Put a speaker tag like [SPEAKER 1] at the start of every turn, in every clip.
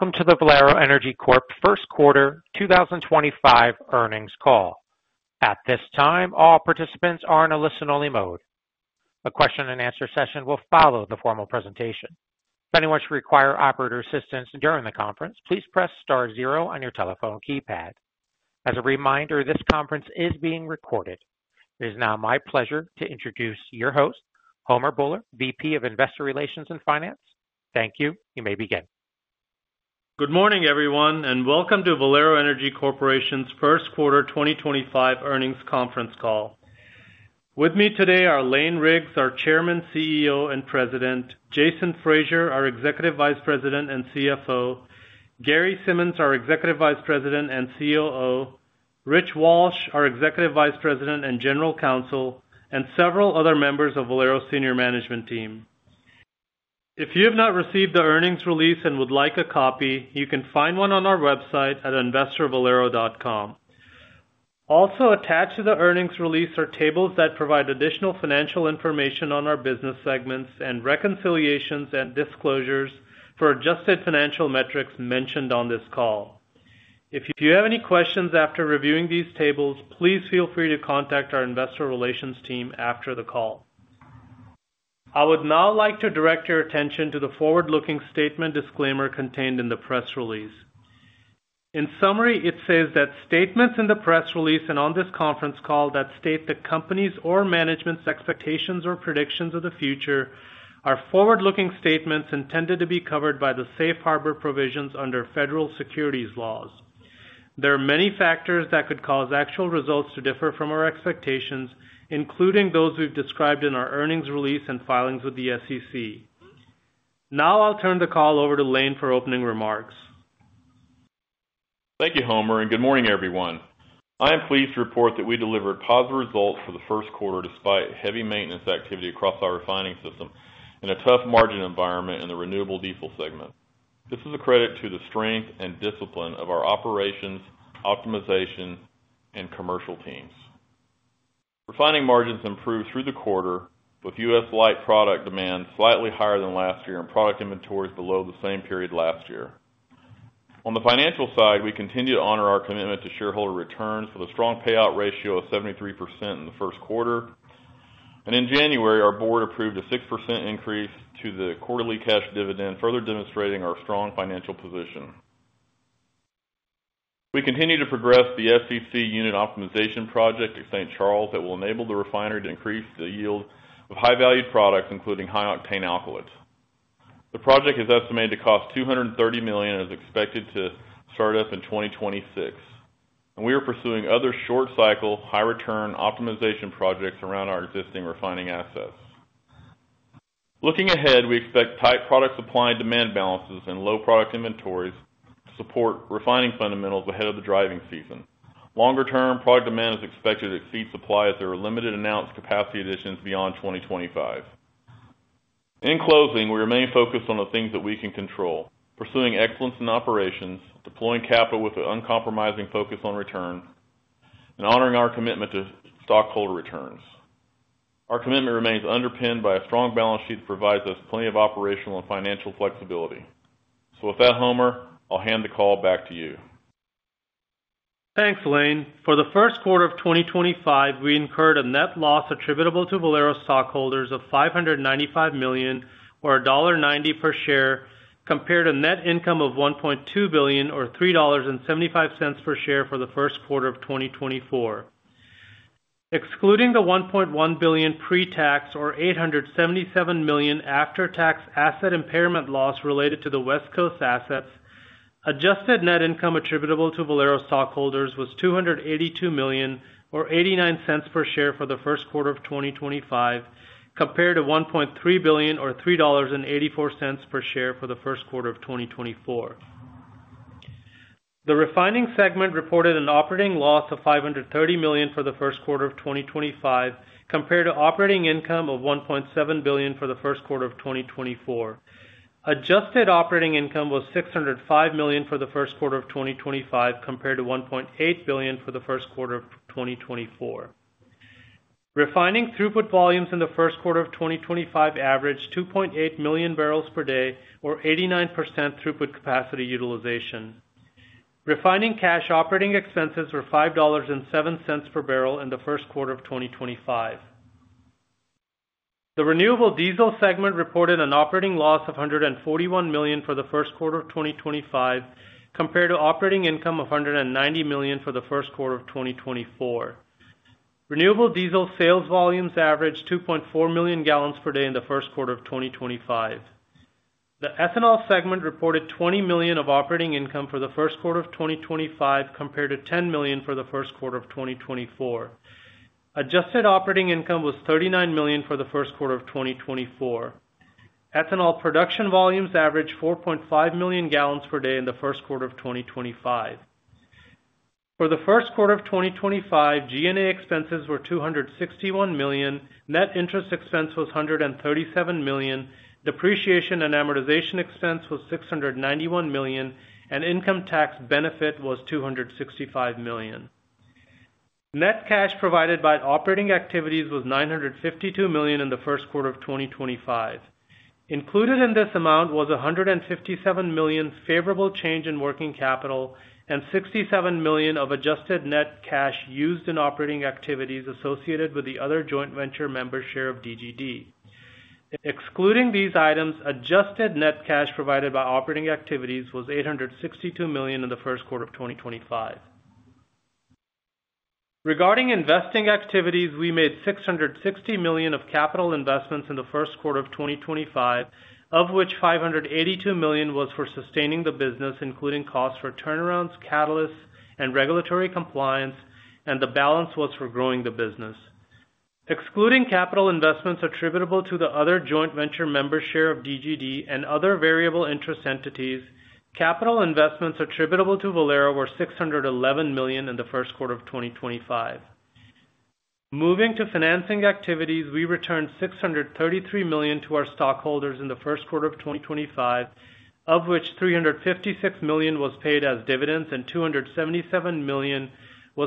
[SPEAKER 1] Welcome to the Valero Energy Corporation First Quarter 2025 Earnings Call. At this time, all participants are in a listen-only mode. A `-and-answer session will follow the formal presentation. If anyone should require operator assistance during the conference, please press star zero on your telephone keypad. As a reminder, this conference is being recorded. It is now my pleasure to introduce your host, Homer Bhullar, vice president of investor relations and finance. Thank you. You may begin.
[SPEAKER 2] Good morning, everyone, and welcome to Valero Energy Corporation's First Quarter 2025 earnings conference call. With me today are Lane Riggs, our Chairman, CEO, and President; Jason Fraser, our Executive Vice President and CFO; Gary Simmons, our Executive Vice President and COO; Rich Walsh, our Executive Vice President and General Counsel; and several other members of Valero's senior management team. If you have not received the earnings release and would like a copy, you can find one on our website at investor.valero.com. Also attached to the earnings release are tables that provide additional financial information on our business segments and reconciliations and disclosures for adjusted financial metrics mentioned on this call. If you have any questions after reviewing these tables, please feel free to contact our investor relations team after the call. I would now like to direct your attention to the forward-looking statement disclaimer contained in the press release. In summary, it says that statements in the press release and on this conference call that state the company's or management's expectations or predictions of the future are forward-looking statements intended to be covered by the safe harbor provisions under federal securities laws. There are many factors that could cause actual results to differ from our expectations, including those we've described in our earnings release and filings with the SEC. Now I'll turn the call over to Lane for opening remarks.
[SPEAKER 3] Thank you, Homer, and good morning, everyone. I am pleased to report that we delivered positive results for the first quarter despite heavy maintenance activity across our refining system in a tough margin environment in the renewable diesel segment. This is a credit to the strength and discipline of our operations, optimization, and commercial teams. Refining margins improved through the quarter, with U.S. light product demand slightly higher than last year and product inventories below the same period last year. On the financial side, we continue to honor our commitment to shareholder returns with a strong payout ratio of 73% in the first quarter. In January, our board approved a 6% increase to the quarterly cash dividend, further demonstrating our strong financial position. We continue to progress the FCC unit optimization project at St. Charles that will enable the refinery to increase the yield of high-valued products, including high-octane alkaloids. The project is estimated to cost $230 million and is expected to start up in 2026. We are pursuing other short-cycle, high-return optimization projects around our existing refining assets. Looking ahead, we expect tight product supply and demand balances and low product inventories to support refining fundamentals ahead of the driving season. Longer-term product demand is expected to exceed supply as there are limited announced capacity additions beyond 2025. In closing, we remain focused on the things that we can control, pursuing excellence in operations, deploying capital with an uncompromising focus on return, and honoring our commitment to stockholder returns. Our commitment remains underpinned by a strong balance sheet that provides us plenty of operational and financial flexibility. With that, Homer, I'll hand the call back to you.
[SPEAKER 2] Thanks, Lane. For the first quarter of 2025, we incurred a net loss attributable to Valero stockholders of $595 million, or $1.90 per share, compared to net income of $1.2 billion, or $3.75 per share for the first quarter of 2024. Excluding the $1.1 billion pre-tax or $877 million after-tax asset impairment loss related to the West Coast assets, adjusted net income attributable to Valero stockholders was $282 million, or $0.89 per share for the first quarter of 2025, compared to $1.3 billion, or $3.84 per share for the first quarter of 2024. The refining segment reported an operating loss of $530 million for the first quarter of 2025, compared to operating income of $1.7 billion for the first quarter of 2024. Adjusted operating income was $605 million for the first quarter of 2025, compared to $1.8 billion for the first quarter of 2024. Refining throughput volumes in the first quarter of 2025 averaged 2.8 million barrels per day, or 89% throughput capacity utilization. Refining cash operating expenses were $5.07 per barrel in the first quarter of 2025. The renewable diesel segment reported an operating loss of $141 million for the first quarter of 2025, compared to operating income of $190 million for the first quarter of 2024. Renewable diesel sales volumes averaged 2.4 million gallons per day in the first quarter of 2025. The ethanol segment reported $20 million of operating income for the first quarter of 2025, compared to $10 million for the first quarter of 2024. Adjusted operating income was $39 million for the first quarter of 2024. Ethanol production volumes averaged 4.5 million gallons per day in the first quarter of 2025. For the first quarter of 2025, G&A expenses were $261 million, net interest expense was $137 million, depreciation and amortization expense was $691 million, and income tax benefit was $265 million. Net cash provided by operating activities was $952 million in the first quarter of 2025. Included in this amount was $157 million favorable change in working capital and $67 million of adjusted net cash used in operating activities associated with the other joint venture member share of DGD. Excluding these items, adjusted net cash provided by operating activities was $862 million in the first quarter of 2025. Regarding investing activities, we made $660 million of capital investments in the first quarter of 2025, of which $582 million was for sustaining the business, including costs for turnarounds, catalysts, and regulatory compliance, and the balance was for growing the business. Excluding capital investments attributable to the other joint venture member share of DGD and other variable interest entities, capital investments attributable to Valero were $611 million in the first quarter of 2025. Moving to financing activities, we returned $633 million to our stockholders in the first quarter of 2025, of which $356 million was paid as dividends and $277 million was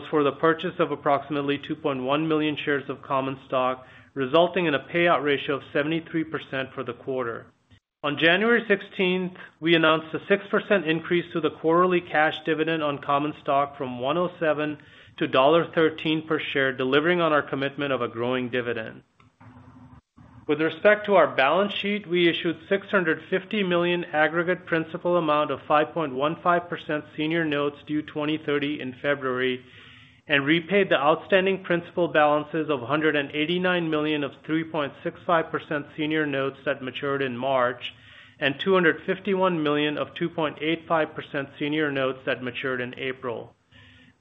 [SPEAKER 2] for the purchase of approximately 2.1 million shares of common stock, resulting in a payout ratio of 73% for the quarter. On January 16th, we announced a 6% increase to the quarterly cash dividend on common stock from $1.07 to $1.13 per share, delivering on our commitment of a growing dividend. With respect to our balance sheet, we issued $650 million aggregate principal amount of 5.15% senior notes due 2030 in February and repaid the outstanding principal balances of $189 million of 3.65% senior notes that matured in March and $251 million of 2.85% senior notes that matured in April.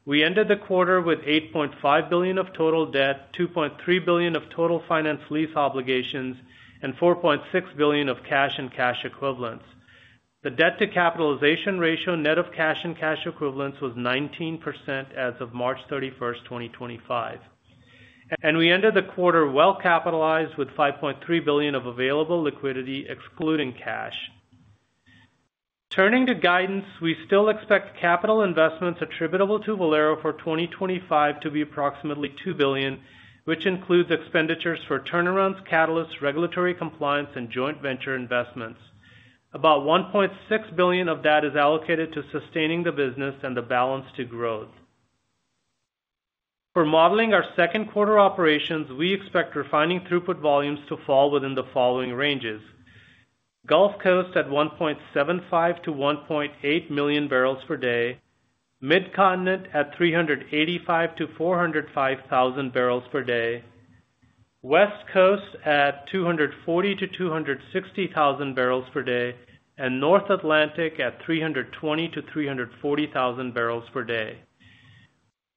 [SPEAKER 2] We ended the quarter with $8.5 billion of total debt, $2.3 billion of total finance lease obligations, and $4.6 billion of cash and cash equivalents. The debt-to-capitalization ratio net of cash and cash equivalents was 19% as of March 31, 2025. We ended the quarter well-capitalized with $5.3 billion of available liquidity, excluding cash. Turning to guidance, we still expect capital investments attributable to Valero for 2025 to be approximately $2 billion, which includes expenditures for turnarounds, catalysts, regulatory compliance, and joint venture investments. About $1.6 billion of that is allocated to sustaining the business and the balance to growth. For modeling our second quarter operations, we expect refining throughput volumes to fall within the following ranges: Gulf Coast at 1.75-1.8 million barrels per day, Midcontinent at 385,000-405,000 barrels per day, West Coast at 240,000-260,000 barrels per day, and North Atlantic at 320,000-340,000 barrels per day.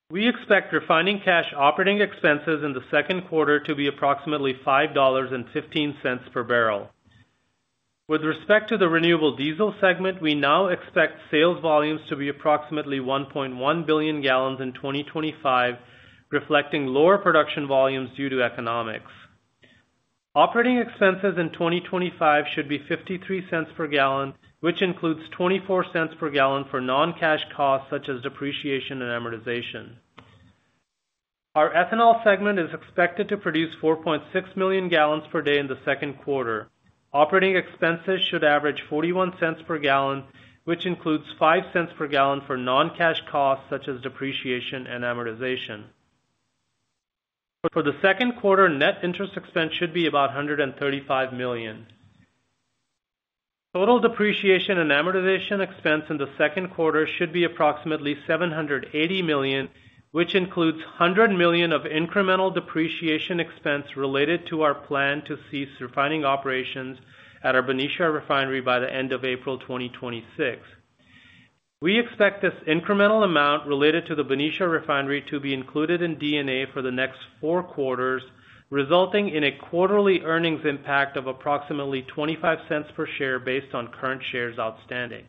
[SPEAKER 2] We expect refining cash operating expenses in the second quarter to be approximately $5.15 per barrel. With respect to the renewable diesel segment, we now expect sales volumes to be approximately 1.1 billion gallons in 2025, reflecting lower production volumes due to economics. Operating expenses in 2025 should be $0.53 per gallon, which includes $0.24 per gallon for non-cash costs such as depreciation and amortization. Our ethanol segment is expected to produce 4.6 million gallons per day in the second quarter. Operating expenses should average $0.41 per gallon, which includes $0.05 per gallon for non-cash costs such as depreciation and amortization. For the second quarter, net interest expense should be about $135 million. Total depreciation and amortization expense in the second quarter should be approximately $780 million, which includes $100 million of incremental depreciation expense related to our plan to cease refining operations at our Benicia Refinery by the end of April 2026. We expect this incremental amount related to the Benicia Refinery to be included in D&A for the next four quarters, resulting in a quarterly earnings impact of approximately $0.25 per share based on current shares outstanding.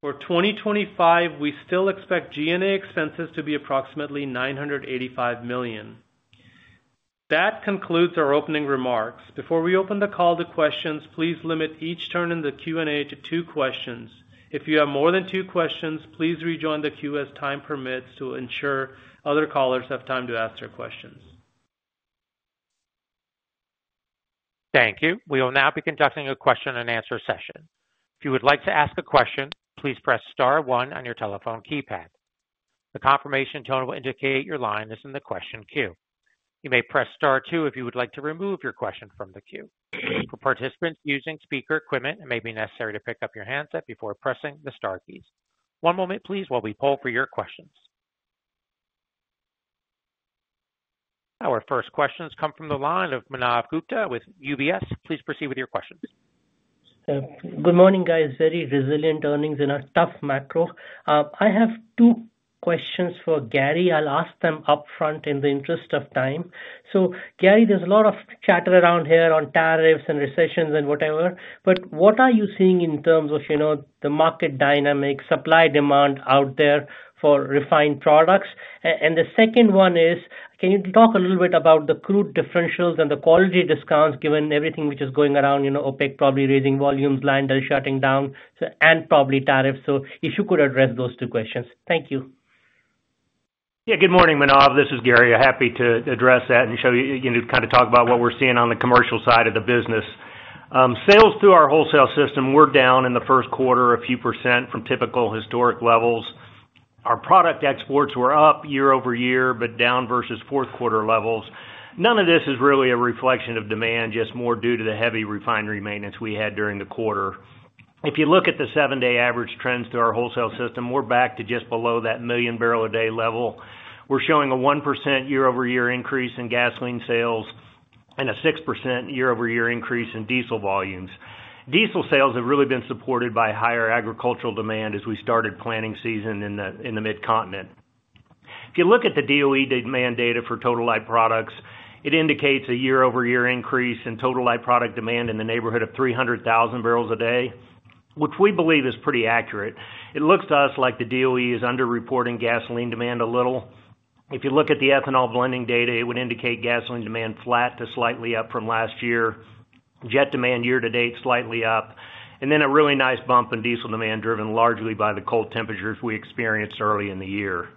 [SPEAKER 2] For 2025, we still expect G&A expenses to be approximately $985 million. That concludes our opening remarks. Before we open the call to questions, please limit each turn in the Q&A to two questions. If you have more than two questions, please rejoin the queue as time permits to ensure other callers have time to ask their questions.
[SPEAKER 1] Thank you. We will now be conducting a question-and-answer session. If you would like to ask a question, please press Star One on your telephone keypad. The confirmation tone will indicate your line is in the question queue. You may press Star 2 if you would like to remove your question from the queue. For participants using speaker equipment, it may be necessary to pick up your handset before pressing the Star keys. One moment, please, while we pull for your questions. Our first questions come from the line of Manav Gupta with UBS. Please proceed with your questions.
[SPEAKER 4] Good morning, guys. Very resilient earnings in a tough macro. I have two questions for Gary. I'll ask them upfront in the interest of time. Gary, there's a lot of chatter around here on tariffs and recessions and whatever. What are you seeing in terms of the market dynamic, supply demand out there for refined products? The second one is, can you talk a little bit about the crude differentials and the quality discounts given everything which is going around, OPEC probably raising volumes, LyondellBasell shutting down, and probably tariffs? If you could address those two questions. Thank you.
[SPEAKER 5] Yeah, good morning, Manav. This is Gary. Happy to address that and kind of talk about what we're seeing on the commercial side of the business. Sales through our wholesale system were down in the first quarter a few percent from typical historic levels. Our product exports were up year over year, but down versus fourth quarter levels. None of this is really a reflection of demand, just more due to the heavy refinery maintenance we had during the quarter. If you look at the seven-day average trends to our wholesale system, we're back to just below that million barrel a day level. We're showing a 1% year-over-year increase in gasoline sales and a 6% year-over-year increase in diesel volumes. Diesel sales have really been supported by higher agricultural demand as we started planting season in the Midcontinent. If you look at the DOE demand data for total light products, it indicates a year-over-year increase in total light product demand in the neighborhood of 300,000 barrels a day, which we believe is pretty accurate. It looks to us like the DOE is under-reporting gasoline demand a little. If you look at the ethanol blending data, it would indicate gasoline demand flat to slightly up from last year. Jet demand year to date slightly up. And then a really nice bump in diesel demand driven largely by the cold temperatures we experienced early in the year.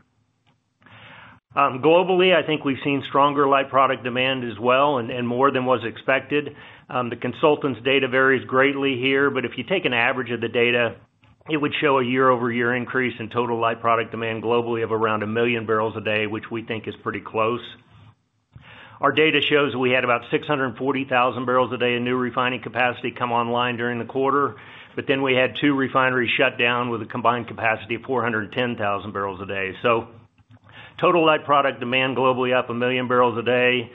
[SPEAKER 5] Globally, I think we've seen stronger light product demand as well and more than was expected. The consultants' data varies greatly here, but if you take an average of the data, it would show a year-over-year increase in total light product demand globally of around a million barrels a day, which we think is pretty close. Our data shows we had about 640,000 barrels a day of new refining capacity come online during the quarter, but then we had two refineries shut down with a combined capacity of 410,000 barrels a day. Total light product demand globally up a million barrels a day,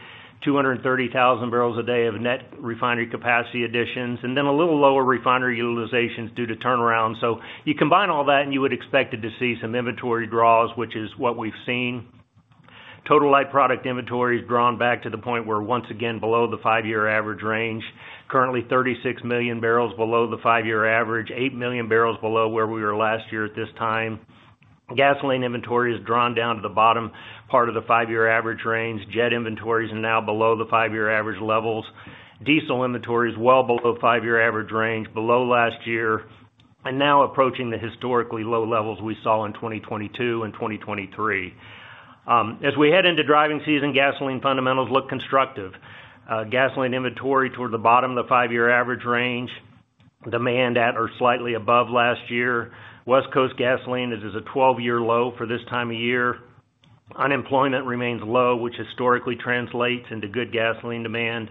[SPEAKER 5] 230,000 barrels a day of net refinery capacity additions, and then a little lower refinery utilizations due to turnaround. You combine all that and you would expect to see some inventory draws, which is what we've seen. Total light product inventory is drawn back to the point where once again below the five-year average range. Currently, 36 million barrels below the five-year average, 8 million barrels below where we were last year at this time. Gasoline inventory is drawn down to the bottom part of the five-year average range. Jet inventory is now below the five-year average levels. Diesel inventory is well below five-year average range, below last year, and now approaching the historically low levels we saw in 2022 and 2023. As we head into driving season, gasoline fundamentals look constructive. Gasoline inventory toward the bottom of the five-year average range. Demand at or slightly above last year. West Coast gasoline is a 12-year low for this time of year. Unemployment remains low, which historically translates into good gasoline demand.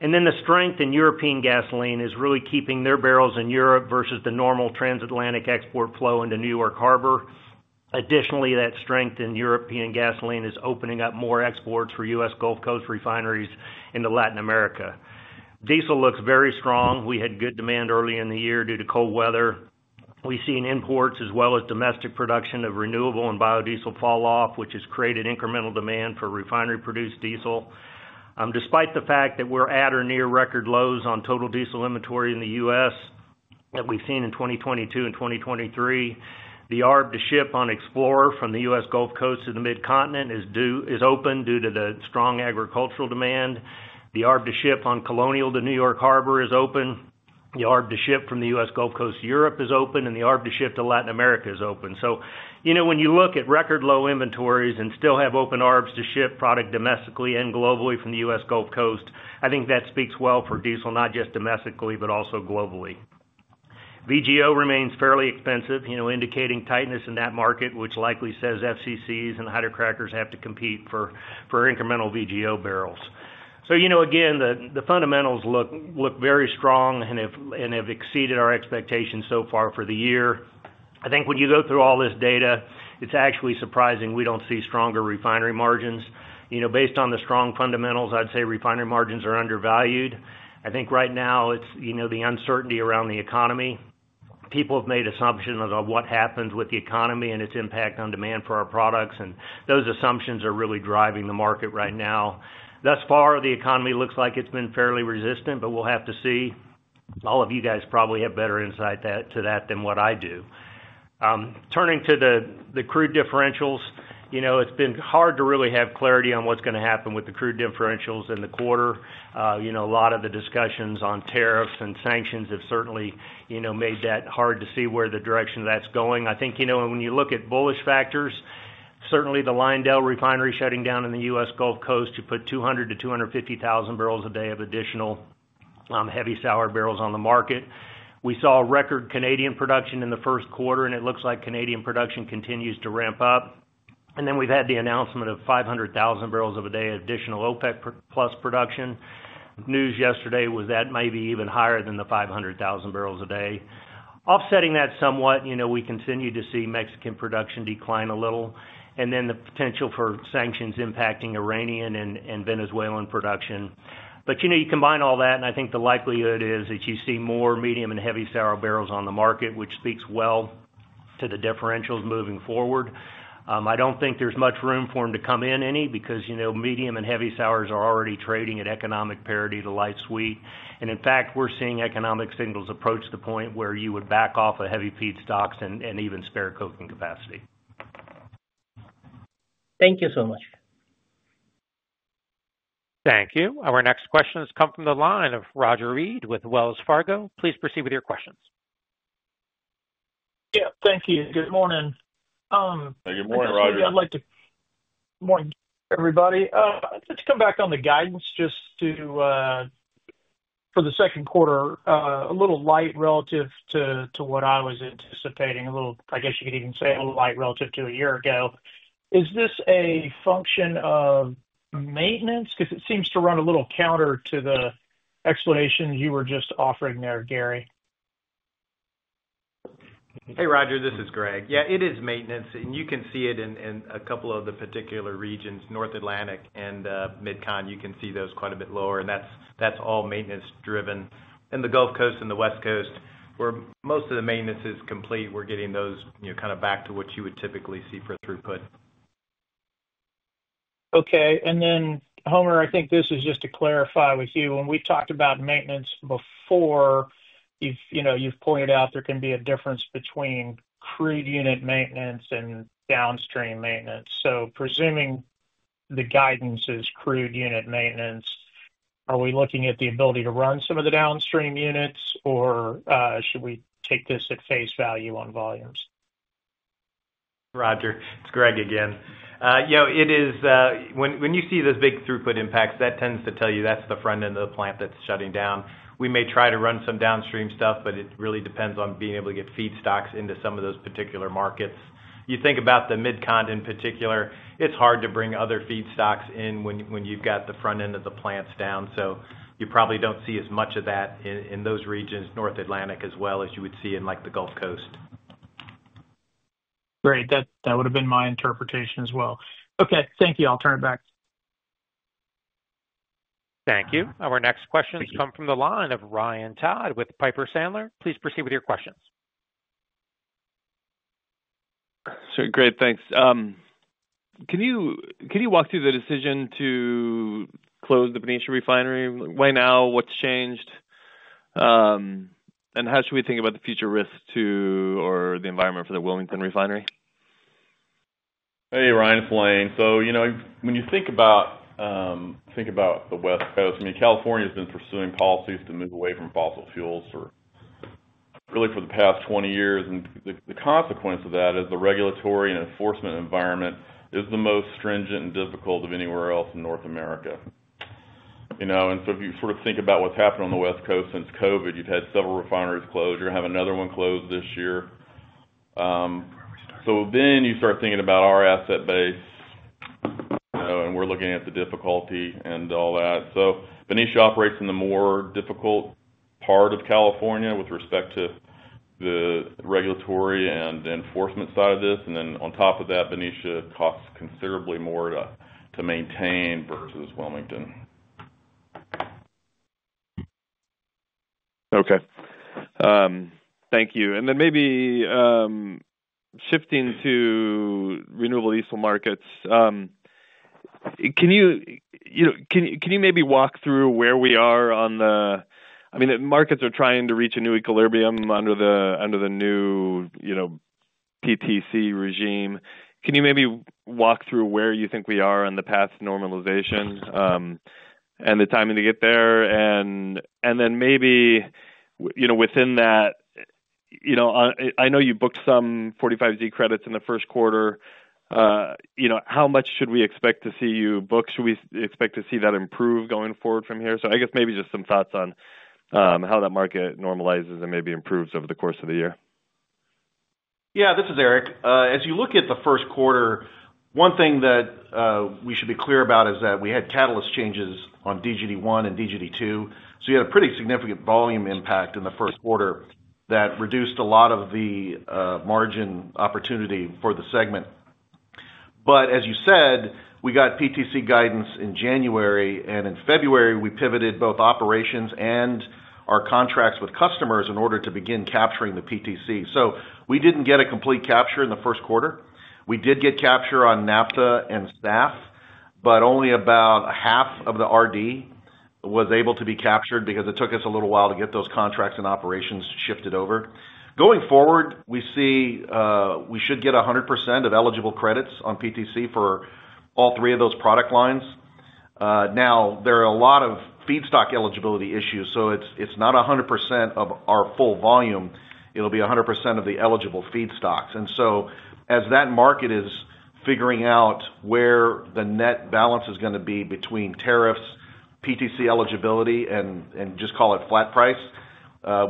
[SPEAKER 5] The strength in European gasoline is really keeping their barrels in Europe versus the normal transatlantic export flow into New York Harbor. Additionally, that strength in European gasoline is opening up more exports for U.S. Gulf Coast refineries into Latin America. Diesel looks very strong. We had good demand early in the year due to cold weather. We've seen imports as well as domestic production of renewable and biodiesel fall off, which has created incremental demand for refinery-produced diesel. Despite the fact that we're at or near record lows on total diesel inventory in the U.S. that we've seen in 2022 and 2023, the Arb to Ship on Explorer from the U.S. Gulf Coast to the Midcontinent is open due to the strong agricultural demand. The Arb to Ship on Colonial to New York Harbor is open. The Arb to Ship from the U.S. Gulf Coast to Europe is open, and the Arb to Ship to Latin America is open. When you look at record low inventories and still have open Arbs to ship product domestically and globally from the U.S. Gulf Coast, I think that speaks well for diesel, not just domestically, but also globally. VGO remains fairly expensive, indicating tightness in that market, which likely says FCCs and Hydrocrackers have to compete for incremental VGO barrels. Again, the fundamentals look very strong and have exceeded our expectations so far for the year. I think when you go through all this data, it's actually surprising we don't see stronger refinery margins. Based on the strong fundamentals, I'd say refinery margins are undervalued. I think right now it's the uncertainty around the economy. People have made assumptions of what happens with the economy and its impact on demand for our products, and those assumptions are really driving the market right now. Thus far, the economy looks like it's been fairly resistant, but we'll have to see. All of you guys probably have better insight to that than what I do. Turning to the crude differentials, it's been hard to really have clarity on what's going to happen with the crude differentials in the quarter. A lot of the discussions on tariffs and sanctions have certainly made that hard to see where the direction that's going. I think when you look at bullish factors, certainly the LyondellBasell refinery shutting down in the U.S. Gulf Coast, you put 200,000-250,000 barrels a day of additional heavy sour barrels on the market. We saw record Canadian production in the first quarter, and it looks like Canadian production continues to ramp up. Then we've had the announcement of 500,000 barrels a day of additional OPEC Plus production. News yesterday was that maybe even higher than the 500,000 barrels a day. Offsetting that somewhat, we continue to see Mexican production decline a little, and then the potential for sanctions impacting Iranian and Venezuelan production. You combine all that, and I think the likelihood is that you see more medium and heavy sour barrels on the market, which speaks well to the differentials moving forward. I do not think there is much room for them to come in any because medium and heavy sours are already trading at economic parity to light sweet. In fact, we are seeing economic signals approach the point where you would back off of heavy feed stocks and even spare coking capacity.
[SPEAKER 4] Thank you so much.
[SPEAKER 1] Thank you. Our next questions come from the line of Roger Reed with Wells Fargo. Please proceed with your questions.
[SPEAKER 6] Yeah, thank you. Good morning.
[SPEAKER 7] Good morning, Roger.
[SPEAKER 6] Morning, everybody. Just to come back on the guidance just for the second quarter, a little light relative to what I was anticipating, a little, I guess you could even say a little light relative to a year ago. Is this a function of maintenance? Because it seems to run a little counter to the explanation you were just offering there, Gary.
[SPEAKER 8] Hey, Roger, this is Greg. Yeah, it is maintenance, and you can see it in a couple of the particular regions, North Atlantic and Midcontinent. You can see those quite a bit lower, and that's all maintenance driven. In the Gulf Coast and the West Coast, where most of the maintenance is complete, we're getting those kind of back to what you would typically see for throughput.
[SPEAKER 6] Okay. Homer, I think this is just to clarify with you. When we talked about maintenance before, you've pointed out there can be a difference between crude unit maintenance and downstream maintenance. Presuming the guidance is crude unit maintenance, are we looking at the ability to run some of the downstream units, or should we take this at face value on volumes?
[SPEAKER 8] Roger. It's Greg again. When you see those big throughput impacts, that tends to tell you that's the front end of the plant that's shutting down. We may try to run some downstream stuff, but it really depends on being able to get feed stocks into some of those particular markets. You think about the Midcontinent in particular, it's hard to bring other feed stocks in when you've got the front end of the plants down. You probably don't see as much of that in those regions, North Atlantic as well as you would see in the Gulf Coast.
[SPEAKER 6] Great. That would have been my interpretation as well. Okay. Thank you. I'll turn it back.
[SPEAKER 1] Thank you. Our next questions come from the line of Ryan Todd with Piper Sandler. Please proceed with your questions.
[SPEAKER 9] Sure. Great. Thanks. Can you walk through the decision to close the Benicia refinery? Why now? What's changed? How should we think about the future risks to or the environment for the Wilmington refinery?
[SPEAKER 7] Hey, Ryan it's Lane. When you think about the West Coast, I mean, California has been pursuing policies to move away from fossil fuels really for the past 20 years. The consequence of that is the regulatory and enforcement environment is the most stringent and difficult of anywhere else in North America. If you sort of think about what's happened on the West Coast since COVID, you've had several refineries closed. You're going to have another one closed this year. You start thinking about our asset base, and we're looking at the difficulty and all that. Benicia operates in the more difficult part of California with respect to the regulatory and enforcement side of this. On top of that, Benicia costs considerably more to maintain versus Wilmington.
[SPEAKER 9] Okay. Thank you. Maybe shifting to renewable diesel markets, can you maybe walk through where we are on the, I mean, markets are trying to reach a new equilibrium under the new PTC regime. Can you maybe walk through where you think we are on the path to normalization and the timing to get there? Within that, I know you booked some 45Z credits in the first quarter. How much should we expect to see you booked? Should we expect to see that improve going forward from here? I guess maybe just some thoughts on how that market normalizes and maybe improves over the course of the year.
[SPEAKER 10] Yeah, this is Eric. As you look at the first quarter, one thing that we should be clear about is that we had catalyst changes on DGD1 and DGD2. You had a pretty significant volume impact in the first quarter that reduced a lot of the margin opportunity for the segment. As you said, we got PTC guidance in January, and in February, we pivoted both operations and our contracts with customers in order to begin capturing the PTC. We did not get a complete capture in the first quarter. We did get capture on NAFTA and SAF, but only about half of the RD was able to be captured because it took us a little while to get those contracts and operations shifted over. Going forward, we see we should get 100% of eligible credits on PTC for all three of those product lines. Now, there are a lot of feedstock eligibility issues, so it's not 100% of our full volume. It'll be 100% of the eligible feedstocks. As that market is figuring out where the net balance is going to be between tariffs, PTC eligibility, and just call it flat price,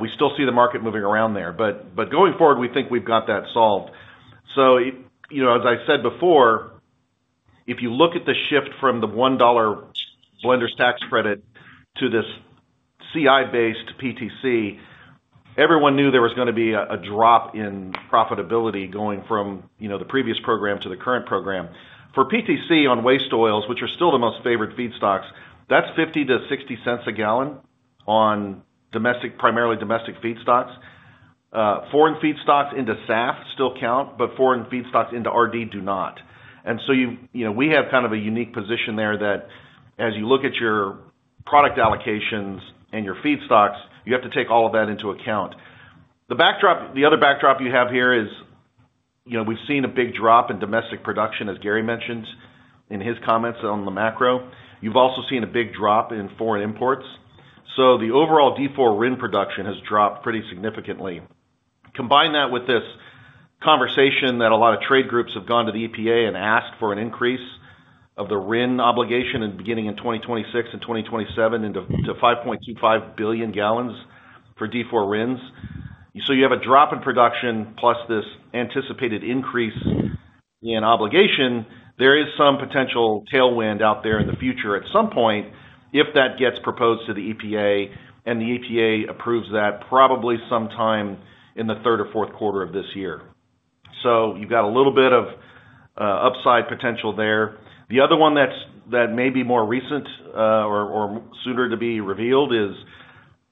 [SPEAKER 10] we still see the market moving around there. Going forward, we think we've got that solved. As I said before, if you look at the shift from the $1 blender tax credit to this CI-based PTC, everyone knew there was going to be a drop in profitability going from the previous program to the current program. For PTC on waste oils, which are still the most favored feedstocks, that's 50-60 cents a gallon on primarily domestic feedstocks. Foreign feedstocks into SAF still count, but foreign feedstocks into RD do not. We have kind of a unique position there that as you look at your product allocations and your feedstocks, you have to take all of that into account. The other backdrop you have here is we've seen a big drop in domestic production, as Gary mentioned in his comments on the macro. You've also seen a big drop in foreign imports. The overall D4 RIN production has dropped pretty significantly. Combine that with this conversation that a lot of trade groups have gone to the EPA and asked for an increase of the RIN obligation beginning in 2026 and 2027 into 5.25 billion gallons for D4 RINs. You have a drop in production plus this anticipated increase in obligation. There is some potential tailwind out there in the future at some point if that gets proposed to the EPA and the EPA approves that probably sometime in the third or fourth quarter of this year. You have got a little bit of upside potential there. The other one that may be more recent or sooner to be revealed is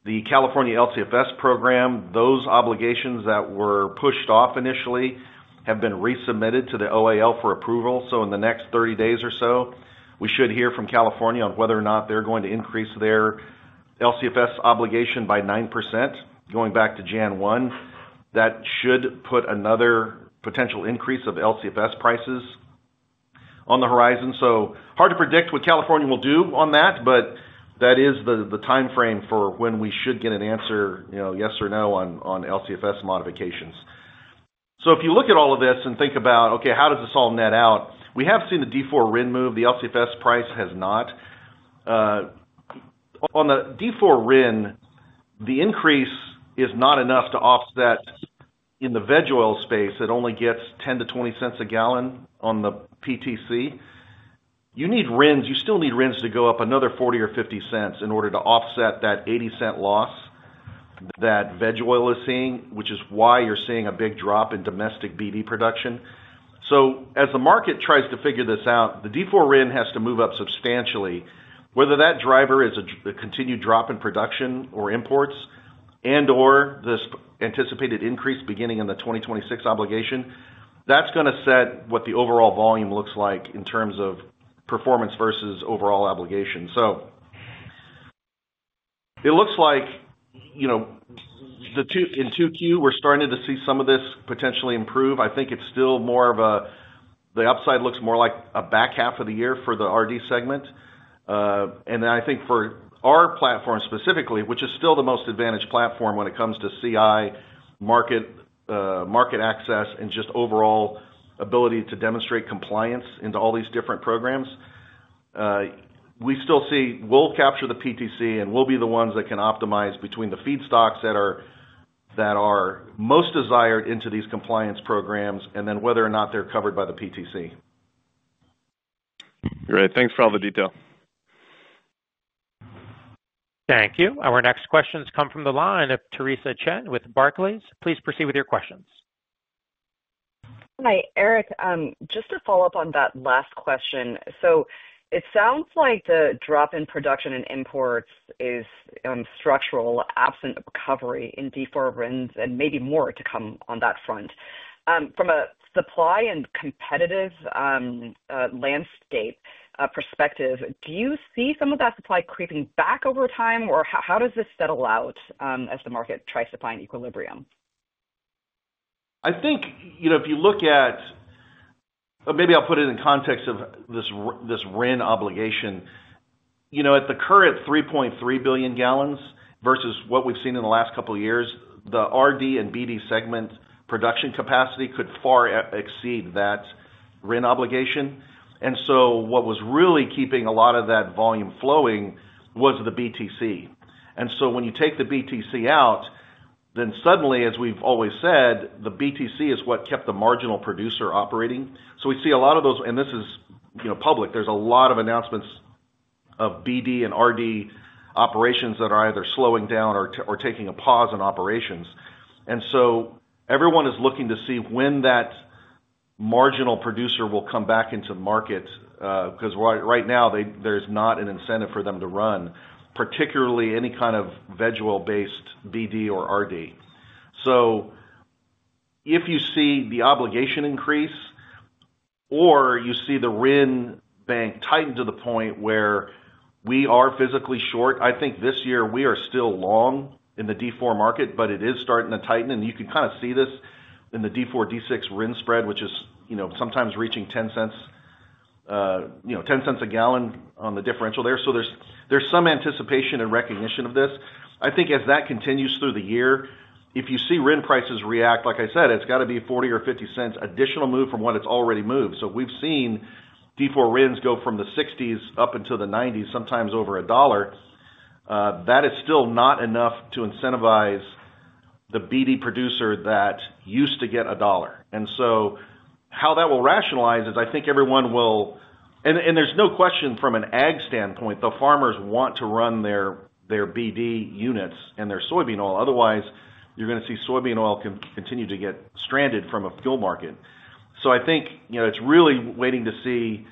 [SPEAKER 10] the California LCFS program. Those obligations that were pushed off initially have been resubmitted to the OAL for approval. In the next 30 days or so, we should hear from California on whether or not they are going to increase their LCFS obligation by 9% going back to January 1. That should put another potential increase of LCFS prices on the horizon. It is hard to predict what California will do on that, but that is the timeframe for when we should get an answer, yes or no, on LCFS modifications. If you look at all of this and think about, okay, how does this all net out? We have seen the D4 RIN move. The LCFS price has not. On the D4 RIN, the increase is not enough to offset in the veg oil space. It only gets $0.10-$0.20 a gallon on the PTC. You still need RINs to go up another $0.40 or $0.50 in order to offset that $0.80 loss that veg oil is seeing, which is why you're seeing a big drop in domestic BD production. As the market tries to figure this out, the D4 RIN has to move up substantially. Whether that driver is a continued drop in production or imports and/or this anticipated increase beginning in the 2026 obligation, that's going to set what the overall volume looks like in terms of performance versus overall obligation. It looks like in 2Q, we're starting to see some of this potentially improve. I think it's still more of a the upside looks more like a back half of the year for the RD segment. I think for our platform specifically, which is still the most advantaged platform when it comes to CI market access and just overall ability to demonstrate compliance into all these different programs, we still see we'll capture the PTC, and we'll be the ones that can optimize between the feedstocks that are most desired into these compliance programs and then whether or not they're covered by the PTC.
[SPEAKER 9] Great. Thanks for all the detail.
[SPEAKER 1] Thank you. Our next questions come from the line of Theresa Chen with Barclays. Please proceed with your questions.
[SPEAKER 11] Hi, Eric. Just to follow up on that last question. It sounds like the drop in production and imports is structural absent recovery in D4 RINs and maybe more to come on that front. From a supply and competitive landscape perspective, do you see some of that supply creeping back over time, or how does this settle out as the market tries to find equilibrium?
[SPEAKER 10] I think if you look at maybe I'll put it in context of this RIN obligation. At the current 3.3 billion gallons versus what we've seen in the last couple of years, the RD and BD segment production capacity could far exceed that RIN obligation. What was really keeping a lot of that volume flowing was the BTC. When you take the BTC out, then suddenly, as we've always said, the BTC is what kept the marginal producer operating. We see a lot of those, and this is public. There's a lot of announcements of BD and RD operations that are either slowing down or taking a pause in operations. Everyone is looking to see when that marginal producer will come back into market because right now, there is not an incentive for them to run, particularly any kind of veg oil-based BD or RD. If you see the obligation increase or you see the RIN bank tighten to the point where we are physically short, I think this year we are still long in the D4 market, but it is starting to tighten. You can kind of see this in the D4, D6 RIN spread, which is sometimes reaching 10 cents a gallon on the differential there. There is some anticipation and recognition of this. I think as that continues through the year, if you see RIN prices react, like I said, it has got to be 40 or 50 cents additional move from what it has already moved. We have seen D4 RINs go from the 60s up into the 90s, sometimes over a dollar. That is still not enough to incentivize the BD producer that used to get a dollar. How that will rationalize is I think everyone will, and there is no question from an ag standpoint, the farmers want to run their BD units and their soybean oil. Otherwise, you are going to see soybean oil continue to get stranded from a fuel market. I think it is really waiting to see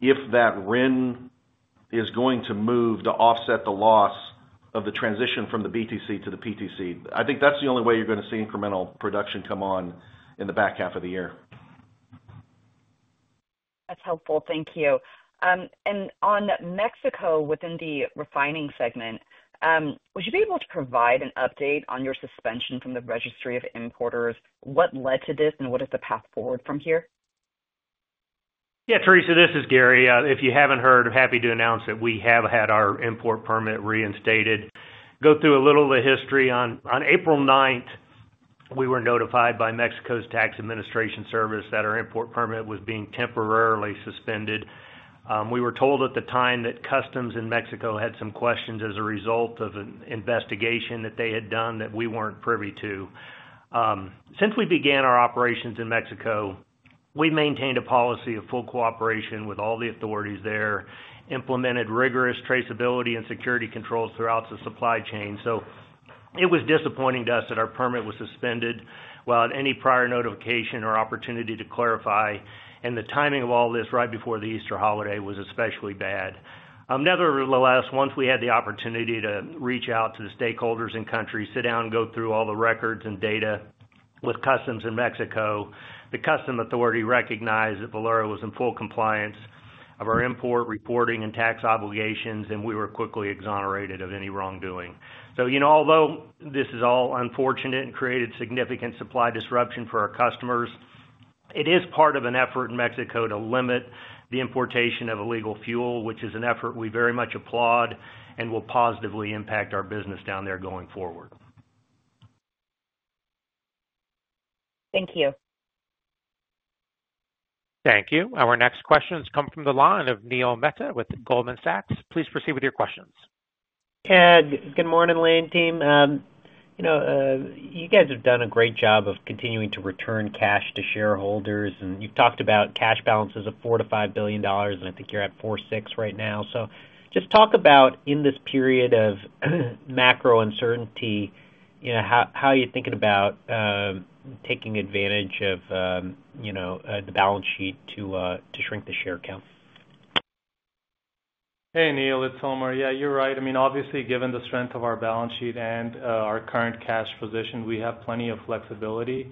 [SPEAKER 10] if that RIN is going to move to offset the loss of the transition from the BTC to the PTC. I think that is the only way you are going to see incremental production come on in the back half of the year.
[SPEAKER 11] That's helpful. Thank you. On Mexico within the refining segment, would you be able to provide an update on your suspension from the registry of importers? What led to this and what is the path forward from here?
[SPEAKER 5] Yeah, Theresa, this is Gary. If you haven't heard, happy to announce that we have had our import permit reinstated. Go through a little of the history. On April 9, we were notified by Mexico's tax administration service that our import permit was being temporarily suspended. We were told at the time that customs in Mexico had some questions as a result of an investigation that they had done that we weren't privy to. Since we began our operations in Mexico, we maintained a policy of full cooperation with all the authorities there, implemented rigorous traceability and security controls throughout the supply chain. It was disappointing to us that our permit was suspended without any prior notification or opportunity to clarify. The timing of all this right before the Easter holiday was especially bad. Nevertheless, once we had the opportunity to reach out to the stakeholders in country, sit down, go through all the records and data with customs in Mexico, the customs authority recognized that Valero was in full compliance of our import reporting and tax obligations, and we were quickly exonerated of any wrongdoing. Although this is all unfortunate and created significant supply disruption for our customers, it is part of an effort in Mexico to limit the importation of illegal fuel, which is an effort we very much applaud and will positively impact our business down there going forward.
[SPEAKER 11] Thank you.
[SPEAKER 1] Thank you. Our next questions come from the line of Neil Mehta with Goldman Sachs. Please proceed with your questions.
[SPEAKER 12] Ed, good morning, Lane team. You guys have done a great job of continuing to return cash to shareholders, and you've talked about cash balances of $4 billion to $5 billion, and I think you're at $4.6 billion right now. Just talk about in this period of macro uncertainty, how are you thinking about taking advantage of the balance sheet to shrink the share count?
[SPEAKER 2] Hey, Neil, it's Homer. Yeah, you're right. I mean, obviously, given the strength of our balance sheet and our current cash position, we have plenty of flexibility,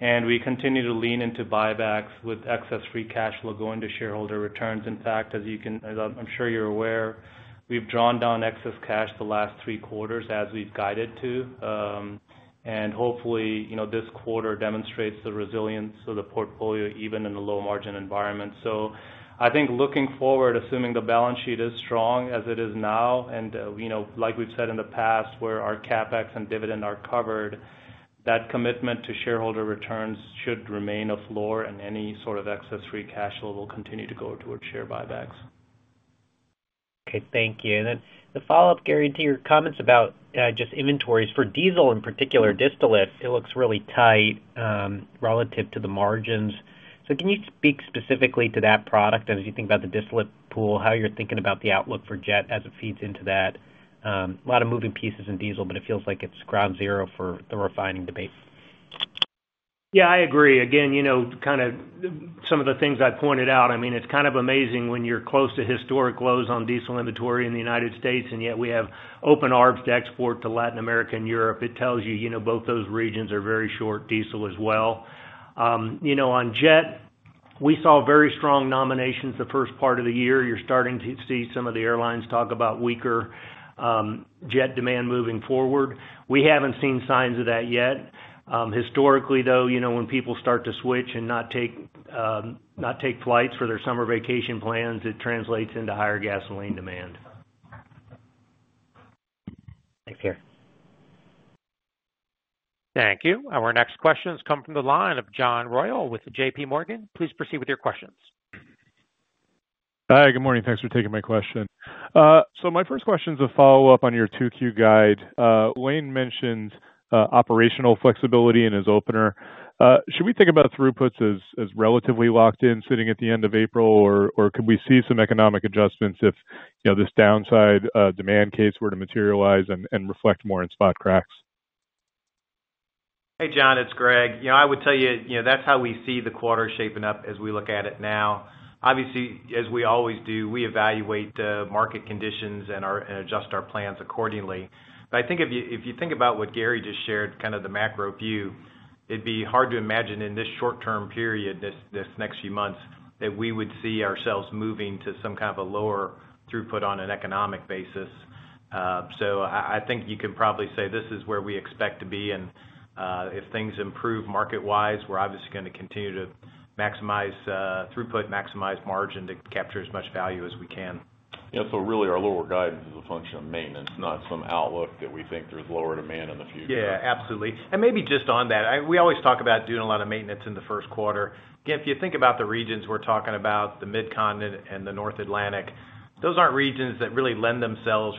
[SPEAKER 2] and we continue to lean into buybacks with excess free cash flow going to shareholder returns. In fact, as I'm sure you're aware, we've drawn down excess cash the last three quarters as we've guided to. Hopefully, this quarter demonstrates the resilience of the portfolio even in a low-margin environment. I think looking forward, assuming the balance sheet is strong as it is now, and like we've said in the past, where our CapEx and dividend are covered, that commitment to shareholder returns should remain afloor, and any sort of excess free cash flow will continue to go towards share buybacks.
[SPEAKER 12] Okay. Thank you. To follow up, Gary, to your comments about just inventories for diesel in particular, distillate, it looks really tight relative to the margins. Can you speak specifically to that product and if you think about the distillate pool, how you're thinking about the outlook for jet as it feeds into that? A lot of moving pieces in diesel, but it feels like it's ground zero for the refining debate.
[SPEAKER 5] Yeah, I agree. Again, kind of some of the things I pointed out, I mean, it's kind of amazing when you're close to historic lows on diesel inventory in the United States, and yet we have open arms to export to Latin America and Europe. It tells you both those regions are very short diesel as well. On jet, we saw very strong nominations the first part of the year. You're starting to see some of the airlines talk about weaker jet demand moving forward. We haven't seen signs of that yet. Historically, though, when people start to switch and not take flights for their summer vacation plans, it translates into higher gasoline demand.
[SPEAKER 12] Thanks, Gary.
[SPEAKER 1] Thank you. Our next questions come from the line of John Royall with the JPMorgan. Please proceed with your questions.
[SPEAKER 13] Hi, good morning. Thanks for taking my question. My first question is a follow-up on your 2Q guide. Lane mentioned operational flexibility in his opener. Should we think about throughputs as relatively locked in sitting at the end of April, or could we see some economic adjustments if this downside demand case were to materialize and reflect more in spot cracks?
[SPEAKER 8] Hey, John, it's Greg. I would tell you that's how we see the quarter shaping up as we look at it now. Obviously, as we always do, we evaluate market conditions and adjust our plans accordingly. I think if you think about what Gary just shared, kind of the macro view, it'd be hard to imagine in this short-term period, this next few months, that we would see ourselves moving to some kind of a lower throughput on an economic basis. I think you can probably say this is where we expect to be. If things improve market-wise, we're obviously going to continue to maximize throughput, maximize margin to capture as much value as we can.
[SPEAKER 7] Yeah. Really, our lower guide is a function of maintenance, not some outlook that we think there's lower demand in the future.
[SPEAKER 8] Yeah, absolutely. Maybe just on that, we always talk about doing a lot of maintenance in the first quarter. Again, if you think about the regions we're talking about, the Midcontinent and the North Atlantic, those aren't regions that really lend themselves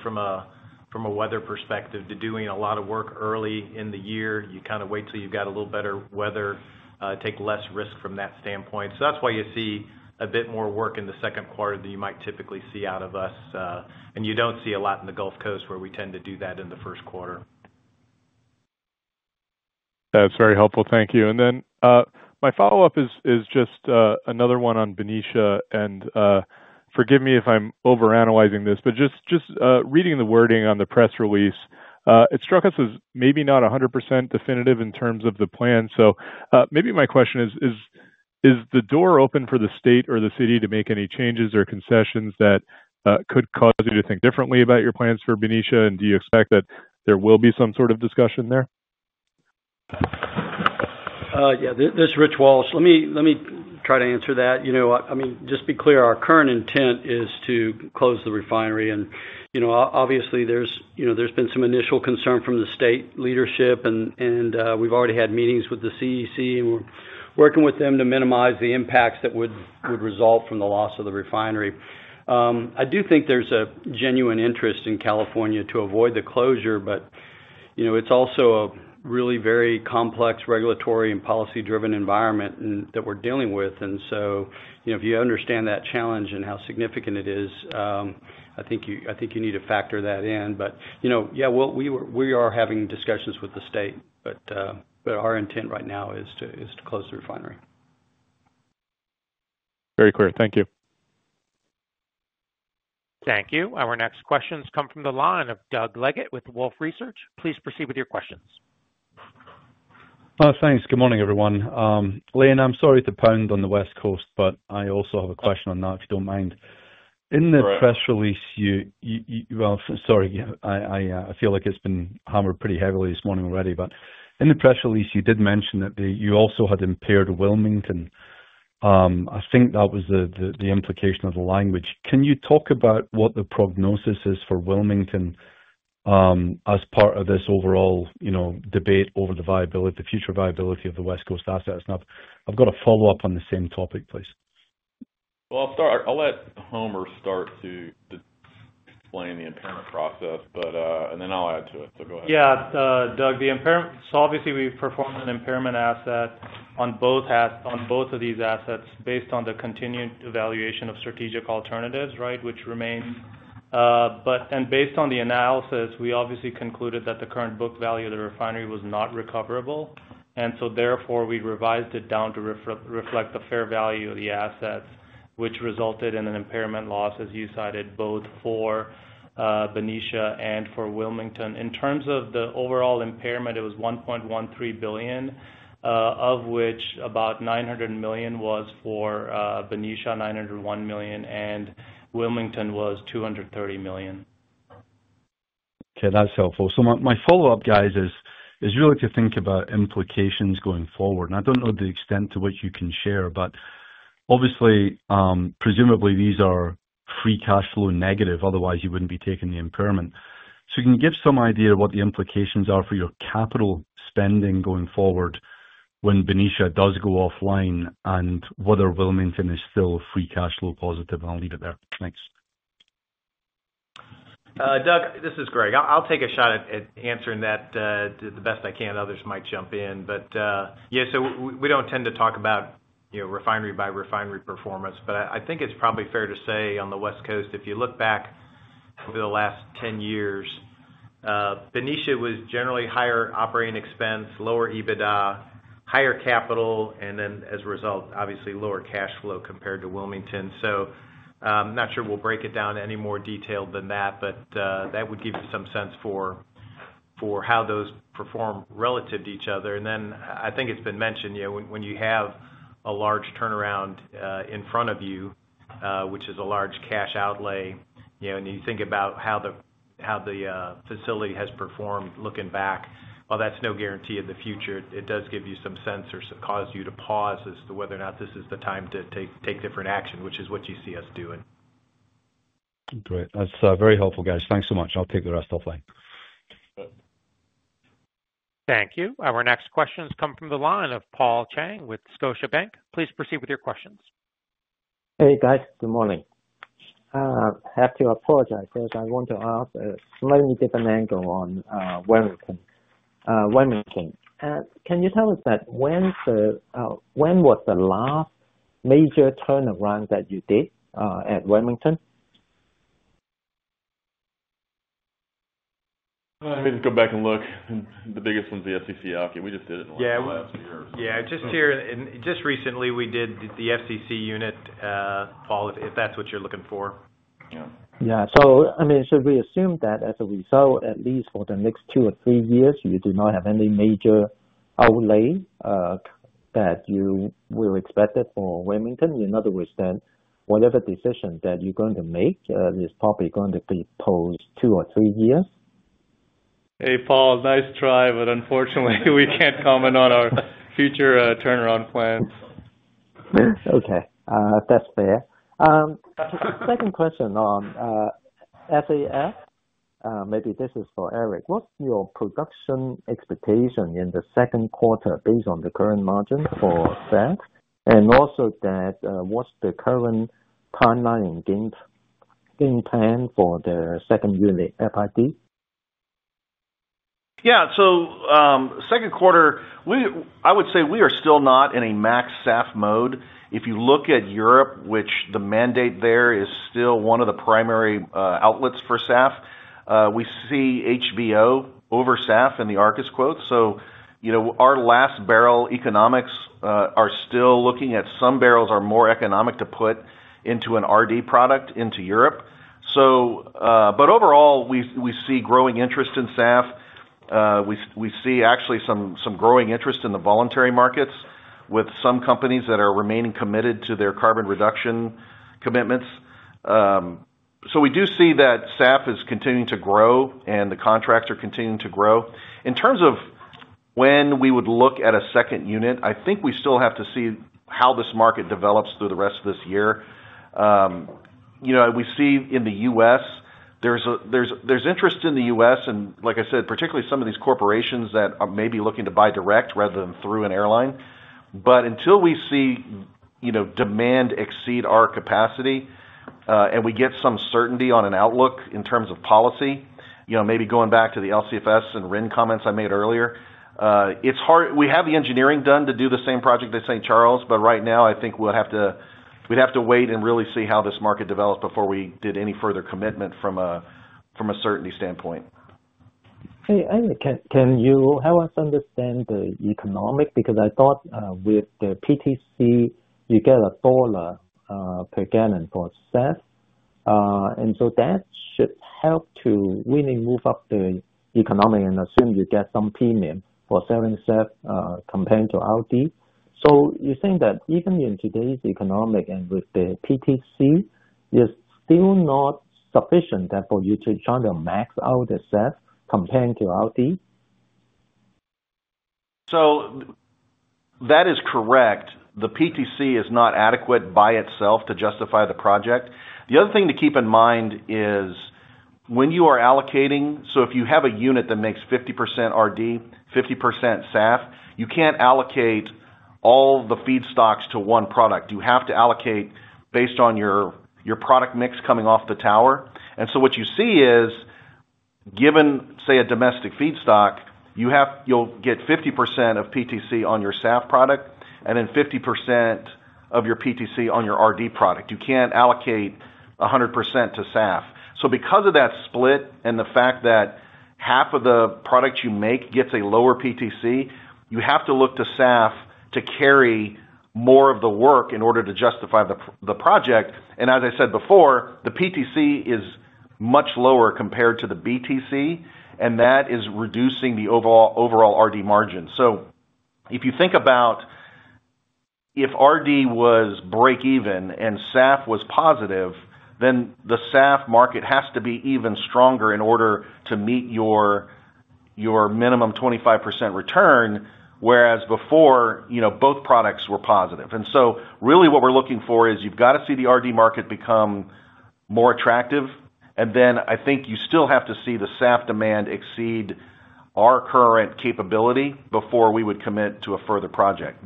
[SPEAKER 8] from a weather perspective to doing a lot of work early in the year. You kind of wait till you've got a little better weather, take less risk from that standpoint. That is why you see a bit more work in the second quarter than you might typically see out of us. You do not see a lot in the Gulf Coast where we tend to do that in the first quarter.
[SPEAKER 13] That's very helpful. Thank you. My follow-up is just another one on Benicia. Forgive me if I'm over-analyzing this, but just reading the wording on the press release, it struck us as maybe not 100% definitive in terms of the plan. Maybe my question is, is the door open for the state or the city to make any changes or concessions that could cause you to think differently about your plans for Benicia? Do you expect that there will be some sort of discussion there?
[SPEAKER 14] Yeah, this is Rich Walsh. Let me try to answer that. I mean, just to be clear, our current intent is to close the refinery. Obviously, there's been some initial concern from the state leadership, and we've already had meetings with the CEC, and we're working with them to minimize the impacts that would result from the loss of the refinery. I do think there's a genuine interest in California to avoid the closure, but it's also a really very complex regulatory and policy-driven environment that we're dealing with. If you understand that challenge and how significant it is, I think you need to factor that in. Yeah, we are having discussions with the state, but our intent right now is to close the refinery.
[SPEAKER 13] Very clear. Thank you.
[SPEAKER 1] Thank you. Our next questions come from the line of Doug Leggate with Wolfe Research. Please proceed with your questions.
[SPEAKER 15] Thanks. Good morning, everyone. Lane, I'm sorry to pound on the West Coast, but I also have a question on that, if you don't mind. In the press release, you—sorry, I feel like it's been hammered pretty heavily this morning already, but in the press release, you did mention that you also had impaired Wilmington. I think that was the implication of the language. Can you talk about what the prognosis is for Wilmington as part of this overall debate over the future viability of the West Coast assets? Now, I've got a follow-up on the same topic, please.
[SPEAKER 7] I'll let Homer start to explain the impairment process, and then I'll add to it. Go ahead.
[SPEAKER 2] Yeah, Doug, so obviously, we performed an asset impairment on both of these assets based on the continued evaluation of strategic alternatives, right, which remains. Based on the analysis, we obviously concluded that the current book value of the refinery was not recoverable. Therefore, we revised it down to reflect the fair value of the assets, which resulted in an impairment loss, as you cited, both for Benicia and for Wilmington. In terms of the overall impairment, it was $1.13 billion, of which about $900 million was for Benicia, $901 million, and Wilmington was $230 million.
[SPEAKER 15] Okay. That's helpful. My follow-up, guys, is really to think about implications going forward. I don't know the extent to which you can share, but obviously, presumably, these are free cash flow negative. Otherwise, you wouldn't be taking the impairment. You can give some idea of what the implications are for your capital spending going forward when Benicia does go offline and whether Wilmington is still free cash flow positive. I'll leave it there. Thanks.
[SPEAKER 8] Doug, this is Greg. I'll take a shot at answering that the best I can. Others might jump in. Yeah, we don't tend to talk about refinery by refinery performance, but I think it's probably fair to say on the West Coast, if you look back over the last 10 years, Benicia was generally higher operating expense, lower EBITDA, higher capital, and, as a result, obviously, lower cash flow compared to Wilmington. I'm not sure we'll break it down any more detailed than that, but that would give you some sense for how those perform relative to each other. I think it's been mentioned when you have a large turnaround in front of you, which is a large cash outlay, and you think about how the facility has performed looking back, that's no guarantee of the future. It does give you some sense or cause you to pause as to whether or not this is the time to take different action, which is what you see us doing.
[SPEAKER 15] Great. That's very helpful, guys. Thanks so much. I'll take the rest offline.
[SPEAKER 1] Thank you. Our next questions come from the line of Paul Chang with Scotia Bank. Please proceed with your questions.
[SPEAKER 16] Hey, guys. Good morning. I have to apologize because I want to ask a slightly different angle on Wilmington. Wilmington, can you tell us that when was the last major turnaround that you did at Wilmington?
[SPEAKER 7] Let me go back and look. The biggest one's the FCC out. We just did it last year.
[SPEAKER 14] Yeah. Just recently, we did the FCC unit, Paul, if that's what you're looking for.
[SPEAKER 16] Yeah. I mean, should we assume that as a result, at least for the next two or three years, you do not have any major outlay that you will expect for Wilmington? In other words, then whatever decision that you're going to make, it's probably going to be post two or three years?
[SPEAKER 10] Hey, Paul, nice try, but unfortunately, we can't comment on our future turnaround plan.
[SPEAKER 16] Okay. That's fair. Second question on SAF, maybe this is for Eric. What's your production expectation in the second quarter based on the current margin for SAF? Also, what's the current timeline and game plan for the second unit, FID?
[SPEAKER 10] Yeah. Second quarter, I would say we are still not in a max SAF mode. If you look at Europe, which the mandate there is still one of the primary outlets for SAF, we see HBO over SAF in the Argus quotes. Our last barrel economics are still looking at some barrels are more economic to put into an RD product into Europe. Overall, we see growing interest in SAF. We see actually some growing interest in the voluntary markets with some companies that are remaining committed to their carbon reduction commitments. We do see that SAF is continuing to grow and the contracts are continuing to grow. In terms of when we would look at a second unit, I think we still have to see how this market develops through the rest of this year. We see in the U.S., there's interest in the U.S., and like I said, particularly some of these corporations that are maybe looking to buy direct rather than through an airline. Until we see demand exceed our capacity and we get some certainty on an outlook in terms of policy, maybe going back to the LCFS and RIN comments I made earlier, it's hard. We have the engineering done to do the same project at St. Charles, but right now, I think we'd have to wait and really see how this market develops before we did any further commitment from a certainty standpoint.
[SPEAKER 16] Hey, Eric can you help us understand the economic? Because I thought with the PTC, you get a dollar per gallon for SAF. That should help to really move up the economic and assume you get some premium for selling SAF compared to RD. You're saying that even in today's economic and with the PTC, it's still not sufficient for you to try to max out the SAF compared to RD?
[SPEAKER 10] That is correct. The PTC is not adequate by itself to justify the project. The other thing to keep in mind is when you are allocating, if you have a unit that makes 50% RD, 50% SAF, you can't allocate all the feedstocks to one product. You have to allocate based on your product mix coming off the tower. What you see is, given, say, a domestic feedstock, you'll get 50% of PTC on your SAF product and then 50% of your PTC on your RD product. You can't allocate 100% to SAF. Because of that split and the fact that half of the product you make gets a lower PTC, you have to look to SAF to carry more of the work in order to justify the project. As I said before, the PTC is much lower compared to the BTC, and that is reducing the overall RD margin. If you think about if RD was break-even and SAF was positive, then the SAF market has to be even stronger in order to meet your minimum 25% return, whereas before, both products were positive. Really what we're looking for is you've got to see the RD market become more attractive. I think you still have to see the SAF demand exceed our current capability before we would commit to a further project.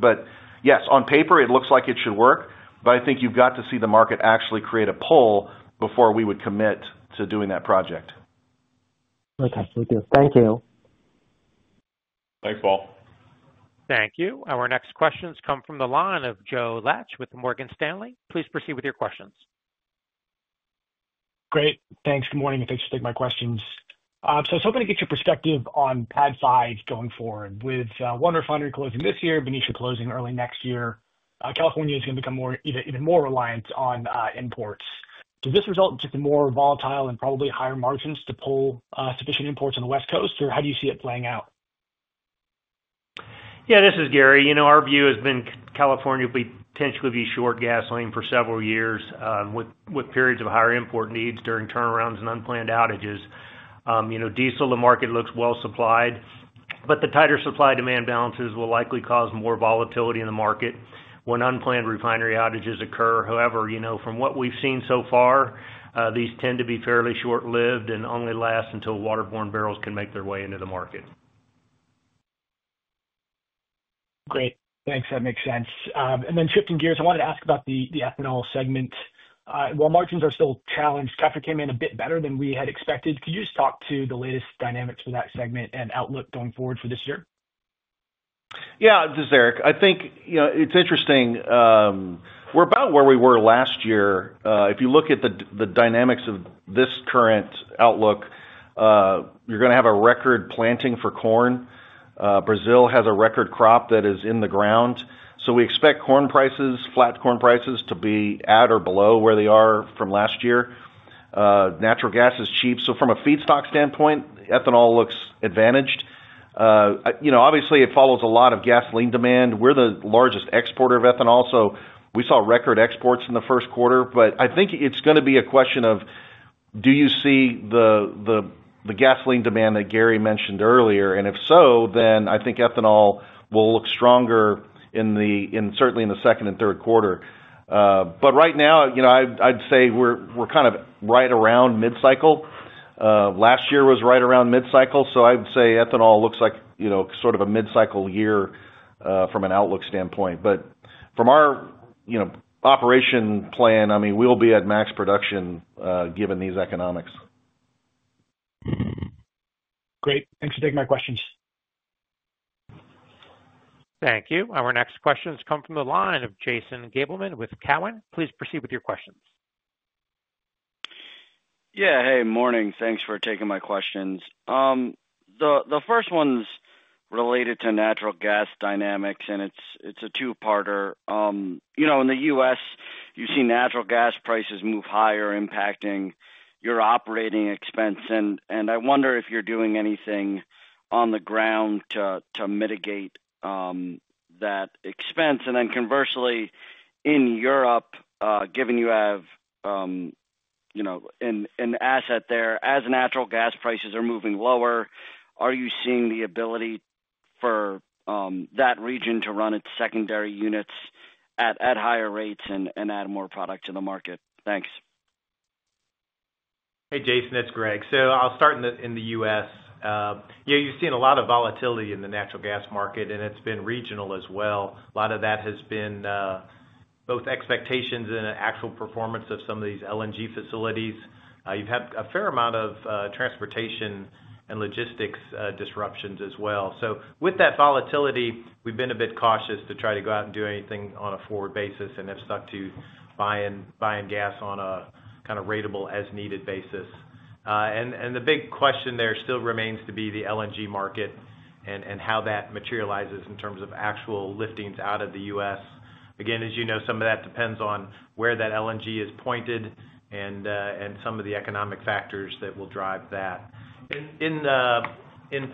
[SPEAKER 10] Yes, on paper, it looks like it should work, but I think you've got to see the market actually create a pull before we would commit to doing that project.
[SPEAKER 16] Okay. Thank you. Thank you.
[SPEAKER 7] Thanks, Paul.
[SPEAKER 1] Thank you. Our next questions come from the line of Joe Laetsch with Morgan Stanley. Please proceed with your questions.
[SPEAKER 17] Great. Thanks. Good morning. Thanks for taking my questions. I was hoping to get your perspective on pad size going forward. With one refinery closing this year, Benicia closing early next year, California is going to become even more reliant on imports. Does this result in just a more volatile and probably higher margins to pull sufficient imports on the West Coast, or how do you see it playing out?
[SPEAKER 5] Yeah, this is Gary. Our view has been California will potentially be short gasoline for several years with periods of higher import needs during turnarounds and unplanned outages. Diesel, the market looks well supplied, but the tighter supply-demand balances will likely cause more volatility in the market when unplanned refinery outages occur. However, from what we've seen so far, these tend to be fairly short-lived and only last until waterborne barrels can make their way into the market.
[SPEAKER 17] Great. Thanks. That makes sense. Shifting gears, I wanted to ask about the ethanol segment. While margins are still challenged, capture came in a bit better than we had expected. Could you just talk to the latest dynamics for that segment and outlook going forward for this year?
[SPEAKER 10] Yeah, this is Eric. I think it's interesting. We're about where we were last year. If you look at the dynamics of this current outlook, you're going to have a record planting for corn. Brazil has a record crop that is in the ground. We expect corn prices, flat corn prices, to be at or below where they are from last year. Natural gas is cheap. From a feedstock standpoint, ethanol looks advantaged. Obviously, it follows a lot of gasoline demand. We're the largest exporter of ethanol, so we saw record exports in the first quarter. I think it's going to be a question of, do you see the gasoline demand that Gary mentioned earlier? If so, then I think ethanol will look stronger, certainly in the second and third quarter. Right now, I'd say we're kind of right around mid-cycle. Last year was right around mid-cycle. I'd say ethanol looks like sort of a mid-cycle year from an outlook standpoint. From our operation plan, I mean, we'll be at max production given these economics.
[SPEAKER 17] Great. Thanks for taking my questions.
[SPEAKER 1] Thank you. Our next questions come from the line of Jason Gabelman with Cowen. Please proceed with your questions.
[SPEAKER 18] Yeah. Hey, morning. Thanks for taking my questions. The first one's related to natural gas dynamics, and it's a two-parter. In the U.S., you see natural gas prices move higher, impacting your operating expense. I wonder if you're doing anything on the ground to mitigate that expense. Conversely, in Europe, given you have an asset there, as natural gas prices are moving lower, are you seeing the ability for that region to run its secondary units at higher rates and add more product to the market? Thanks.
[SPEAKER 8] Hey, Jason. It's Greg. I'll start in the U.S. You've seen a lot of volatility in the natural gas market, and it's been regional as well. A lot of that has been both expectations and actual performance of some of these LNG facilities. You've had a fair amount of transportation and logistics disruptions as well. With that volatility, we've been a bit cautious to try to go out and do anything on a forward basis and have stuck to buying gas on a kind of rateable as-needed basis. The big question there still remains to be the LNG market and how that materializes in terms of actual liftings out of the U.S. Again, as you know, some of that depends on where that LNG is pointed and some of the economic factors that will drive that. In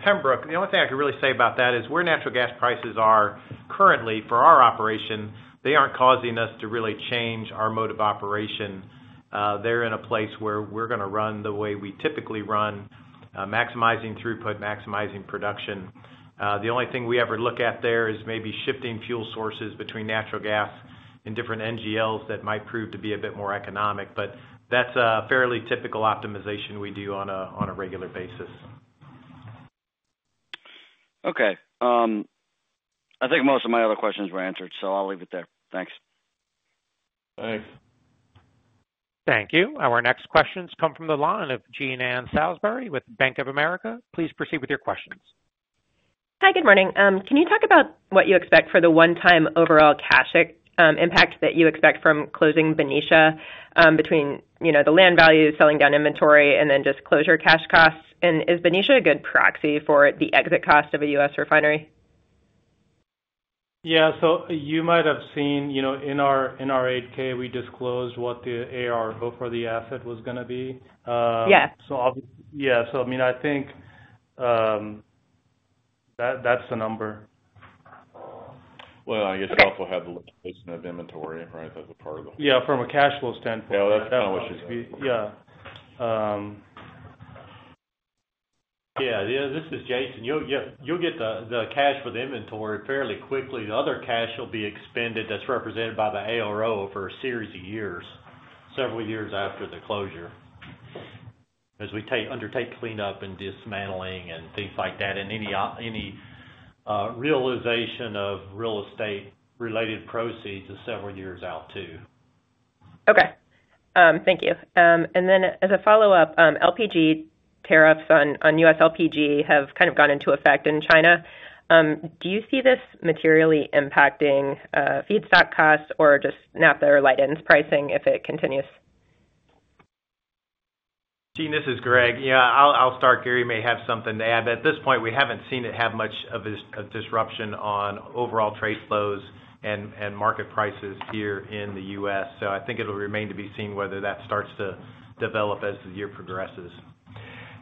[SPEAKER 8] Pembroke, the only thing I could really say about that is where natural gas prices are currently for our operation, they are not causing us to really change our mode of operation. They are in a place where we are going to run the way we typically run, maximizing throughput, maximizing production. The only thing we ever look at there is maybe shifting fuel sources between natural gas and different NGLs that might prove to be a bit more economic. That is a fairly typical optimization we do on a regular basis.
[SPEAKER 18] Okay. I think most of my other questions were answered, so I'll leave it there. Thanks.
[SPEAKER 8] Thanks.
[SPEAKER 1] Thank you. Our next questions come from the line of Jean Ann Salisbury with Bank of America. Please proceed with your questions.
[SPEAKER 19] Hi. Good morning. Can you talk about what you expect for the one-time overall cash impact that you expect from closing Benicia between the land value, selling down inventory, and then just closure cash costs? Is Benicia a good proxy for the exit cost of a U.S. refinery?
[SPEAKER 20] Yeah. You might have seen in our 8K, we disclosed what the ARO for the asset was going to be.
[SPEAKER 19] Yeah.
[SPEAKER 20] Yeah. I mean, I think that's the number.
[SPEAKER 7] I guess you also have the liquidation of inventory, right, as a part of the.
[SPEAKER 20] Yeah. From a cash flow standpoint. Yeah. Yeah. This is Jason. You'll get the cash for the inventory fairly quickly. The other cash will be expended that's represented by the ARO for a series of years, several years after the closure, as we undertake cleanup and dismantling and things like that, and any realization of real estate-related proceeds several years out too.
[SPEAKER 19] Okay. Thank you. As a follow-up, LPG tariffs on U.S. LPG have kind of gone into effect in China. Do you see this materially impacting feedstock costs or just naphtha or light ends pricing if it continues?
[SPEAKER 8] Jean, this is Greg. Yeah. I'll start. Gary may have something to add. At this point, we haven't seen it have much of a disruption on overall trade flows and market prices here in the U.S. I think it'll remain to be seen whether that starts to develop as the year progresses.